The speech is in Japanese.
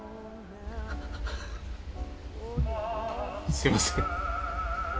すいません。